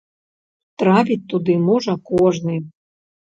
Трапіць туды можа кожны.